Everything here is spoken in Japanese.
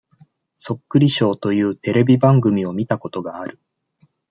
そっくりショーというテレビ番組を見たことがある。